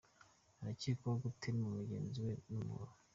Arakekwaho gutema mugenzi we n’umuhoro